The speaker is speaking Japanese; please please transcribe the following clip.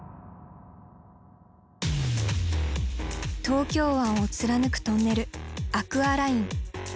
東京湾を貫くトンネルアクアライン。